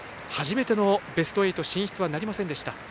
初めてのベスト８進出はなりませんでした。